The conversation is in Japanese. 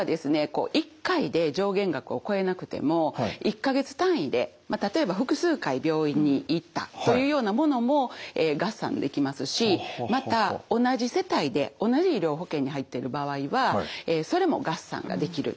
こう１回で上限額を超えなくても１か月単位で例えば複数回病院に行ったというようなものも合算できますしまた同じ世帯で同じ医療保険に入ってる場合はそれも合算ができる。